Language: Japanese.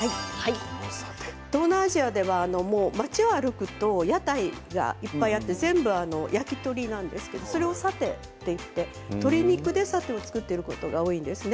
東南アジアでは町を歩くと屋台がいっぱいあって、全部焼き鳥なんですけどそれをサテといって鶏肉で作ってることが多いですね。